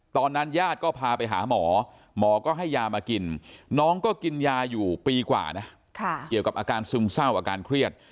ญาติก็พาไปหาหมอหมอก็ให้ยามากินน้องก็กินยาอยู่ปีกว่านะเกี่ยวกับอาการซึมเศร้าอาการเครียด